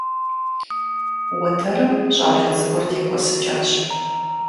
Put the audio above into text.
Уэтэрым щӀалэ цӀыкӀур текӀуэсыкӀащ.